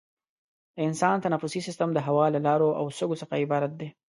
د انسان تنفسي سیستم د هوا له لارو او سږو څخه عبارت دی.